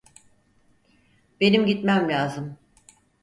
Benim gitmem lazım.